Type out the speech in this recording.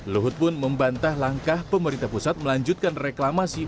luhut pun membantah langkah pemerintah pusat melanjutkan reklamasi